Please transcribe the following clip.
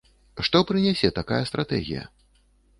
Што прынясе такая стратэгія?